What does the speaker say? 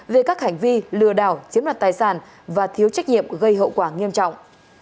về các hành vi lừa đảo chiếm đoạt tài sản và thiếu trách nhiệm gây hậu quả nghiêm trọng